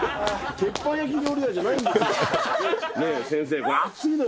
鉄板焼き料理屋じゃないんだよ。